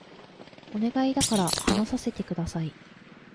お願いだから話させて下さい